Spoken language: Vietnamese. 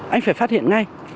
anh phải phát hiện ngay